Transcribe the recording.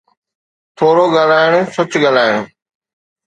ٿورو ڳالهائڻ، سچ ڳالهائڻ.